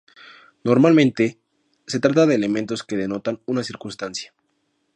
Normalmente, se trata de elementos que denotan una circunstancia.